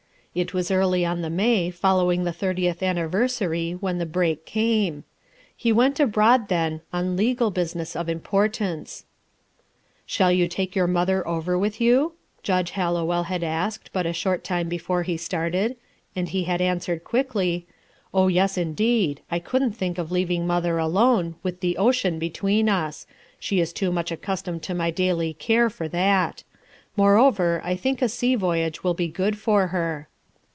It was early in the May following the thirtieth anniversary when the break came. He went abroad then, on legal business of importance. "ShaU you take your mother over with you?" 10 4 RUTH ERSKINE'S SON Judge Hallowell had asked, but a short time before he started ; and be had answered quickly ; "Oh, yes, indeed; I couldn't think of leaving mother alone, with the ocean between us; ^ is too much accustomed to my daily care f or that. Moreover, I think a sea voyage will be good for her."